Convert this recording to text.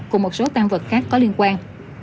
cùng một số tăng vật khác có liên quan